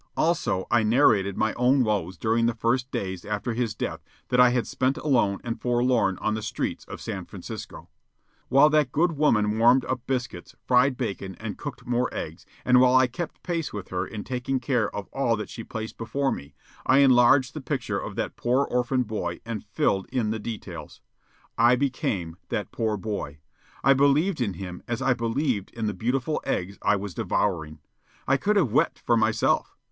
Also, I narrated my own woes during the few days after his death that I had spent alone and forlorn on the streets of San Francisco. While that good woman warmed up biscuits, fried bacon, and cooked more eggs, and while I kept pace with her in taking care of all that she placed before me, I enlarged the picture of that poor orphan boy and filled in the details. I became that poor boy. I believed in him as I believed in the beautiful eggs I was devouring. I could have wept for myself.